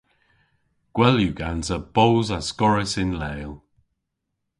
Gwell yw gansa boos askorrys yn leel.